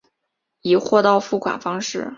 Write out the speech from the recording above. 以货到付款方式